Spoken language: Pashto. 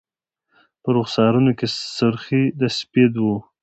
په رخسارونو کي سر خې د سپید و